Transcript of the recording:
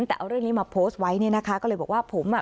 แต่เอาเรื่องนี้มาโพสต์ไว้เนี่ยนะคะก็เลยบอกว่าผมอ่ะ